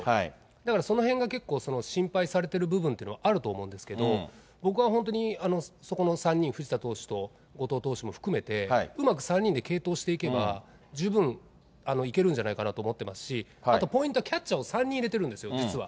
だからそのへんが結構心配されてる部分っていうのはあると思うんですけれども、僕は本当にそこの３人、藤田投手と後藤投手も含めて、うまく３人で継投していけば、十分いけるんじゃないかなと思ってますし、あとポイントはキャッチャーを３人入れているんですよ、実は。